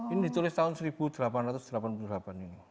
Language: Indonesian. ini ditulis tahun seribu delapan ratus delapan puluh delapan ini